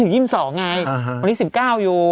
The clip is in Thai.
ยังไม่ถึง๒๒ไงวันนี้๑๙อยู่